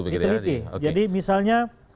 diteliti jadi misalnya